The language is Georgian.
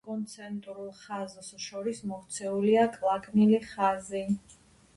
ორ კონცენტრულ ხაზს შორის მოქცეულია კლაკნილი ხაზი.